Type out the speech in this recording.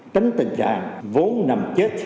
tránh tình trạng vốn nằm chết